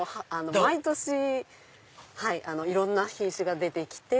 毎年いろんな品種が出て来て。